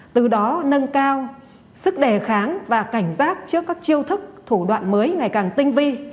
từ đó nâng cao sức đề kháng và cảnh giác trước các chiêu thức thủ đoạn mới ngày càng tinh vi